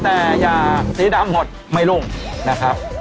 แต่อย่าสีดำหมดไม่รุ่งนะครับ